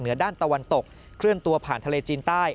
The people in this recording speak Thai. ด้านตะวันตกเคลื่อนตัวผ่านทะเลจีนใต้